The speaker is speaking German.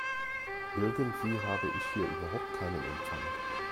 Irgendwie habe ich hier überhaupt keinen Empfang.